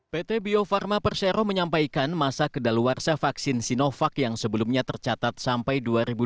pt bio farma persero menyampaikan masa kedaluarsa vaksin sinovac yang sebelumnya tercatat sampai dua ribu dua puluh